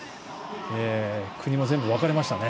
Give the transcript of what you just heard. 国も全部分かれましたね。